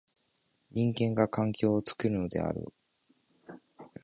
人間が環境を作るのである。